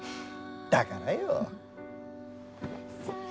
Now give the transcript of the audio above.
だからよ。